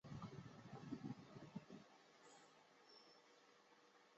本剧惯用一老一少两个演员扮演同一个角色的不同时期。